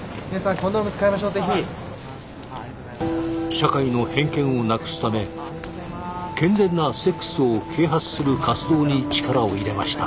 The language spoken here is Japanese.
社会の偏見をなくすため健全なセックスを啓発する活動に力を入れました。